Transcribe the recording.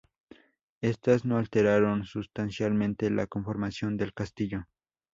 Estas no alteraron sustancialmente la conformación del castillo.